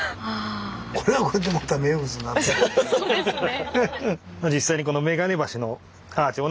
そうですね。